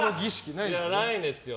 ないですよ。